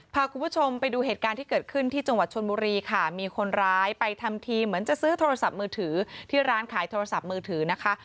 พาคุณผู้ชมไปดูเหตุการณ์ที่เกิดขึ้นที่จังหวัดชนบุรีค่ะมีคนร้ายไปทำทีเหมือนจะซื้อโทรศัพท์มือถือที่ร้านขายโทรศัพท์มือถือนะคะ